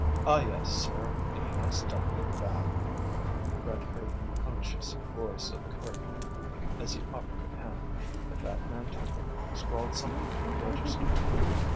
"Ah, yes, sir, a nice double with bath ..." Brett heard the unctuous voice of the clerk as he offered the pen. The fat man took it, scrawled something in the register.